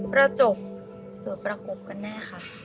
กระจกหรือประกบกันแน่ค่ะ